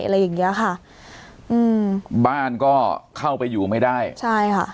อะไรอย่างเงี้ยค่ะอืมบ้านก็เข้าไปอยู่ไม่ได้ใช่ค่ะ